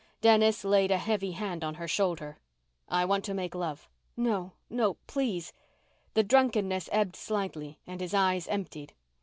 Dennis laid a heavy hand on her shoulder. "I want to make love." "No no. Please " The drunkenness ebbed slightly and his eyes emptied.